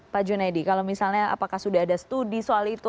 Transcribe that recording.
pak junaidi kalau misalnya apakah sudah ada studi soal itu